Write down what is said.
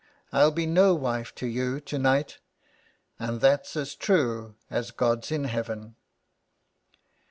I'll be no wife to you to night, and that's as true as God's in heaven."